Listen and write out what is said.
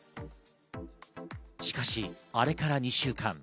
しかし、あれから２週間。